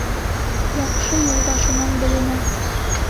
Яҡшы юлдашынан беленә.